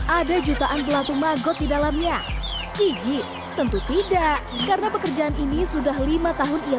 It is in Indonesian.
ada jutaan pelatu magot di dalamnya ciji tentu tidak karena pekerjaan ini sudah lima tahun ia